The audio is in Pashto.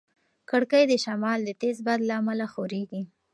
کړکۍ د شمال د تېز باد له امله ښورېږي.